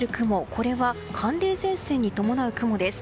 これは寒冷前線に伴う雲です。